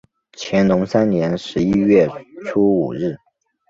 乾隆三年十一月初五日。